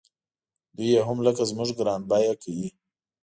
دوی یې هم لکه زموږ ګران بیه کوي.